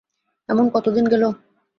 এমন কত দিন গেল।